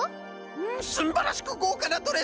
んっすんばらしくごうかなドレス！